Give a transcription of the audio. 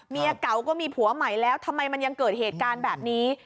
เมียเก่าก็มีผัวใหม่แล้วทำไมมันยังเกิดเหตุการณ์แบบนี้